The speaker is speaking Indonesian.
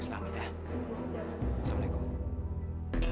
sekali lagi salam mita